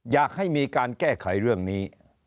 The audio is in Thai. อยากให้มีการแก้ไขเรื่องนี้